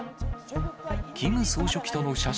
キム総書記との写真